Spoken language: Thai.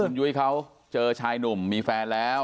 คุณยุ้ยเขาเจอชายหนุ่มมีแฟนแล้ว